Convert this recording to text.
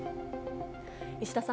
石田さん